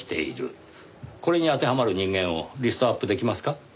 これに当てはまる人間をリストアップできますか？